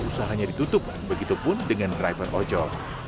usahanya ditutup begitu pun dengan driver ojol